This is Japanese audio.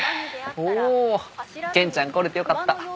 おぉ健ちゃん来れてよかった。